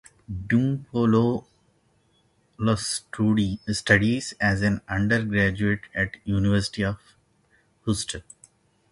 Dimopoulos studied as an undergraduate at the University of Houston.